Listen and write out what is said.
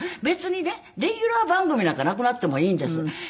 別にねレギュラー番組なんかなくなってもいいんです。